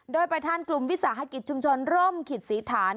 โดยประธานกลุ่มวิสาหกิจชุมชนร่มขิตศรีฐาน